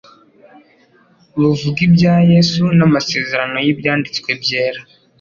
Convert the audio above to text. buvuga ibya Yesu n'amasezerano y'Ibyanditswe byera.